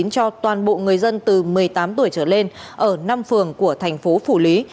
cho toàn bộ người dân từ một mươi tám tuổi trở lên ở năm phường của thành phố phủ lý